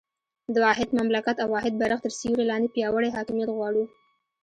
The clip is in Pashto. د واحد مملکت او واحد بېرغ تر سیوري لاندې پیاوړی حاکمیت غواړو.